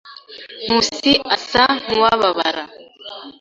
Nkusi asa nkuwababara.